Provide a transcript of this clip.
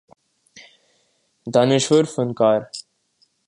دانشور فنکار